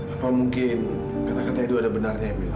apa mungkin kata kata itu ada benarnya